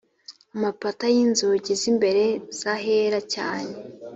amapata y inzugi z imbere z ahera cyane